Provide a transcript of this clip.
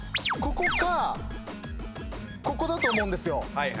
ここかここだと思うんですよ。